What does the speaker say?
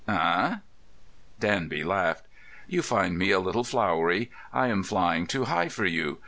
"Eh?" Danby laughed. "You find me a little flowery; I am flying too high for you.